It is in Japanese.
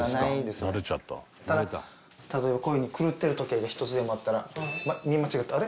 ただ例えばこういう風に狂ってる時計が１つでもあったら見間違うとあれ？